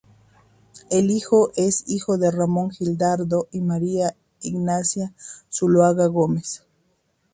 Él es hijo de Ramón Giraldo y María Ignacia Zuloaga Gómez.